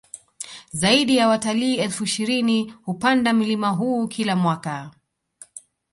Zaidi ya watalii elfu ishirini hupanda mlima huu kila mwaka